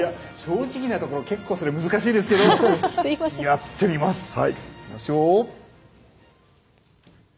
正直なところ結構それ難しいですけれどやってみます。